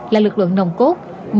là lực lượng nồng cốt